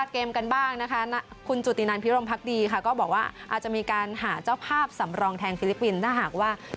ของอาเซียนพาราเกมต์กันบ้างนะคะ